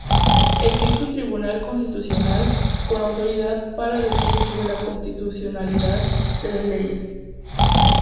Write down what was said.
Existe un Tribunal Constitucional con autoridad para decidir sobre la constitucionalidad de las leyes.